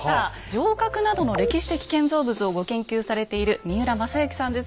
城郭などの歴史的建造物をご研究されている三浦正幸さんです。